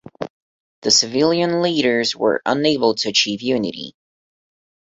The civilian leaders were unable to achieve unity.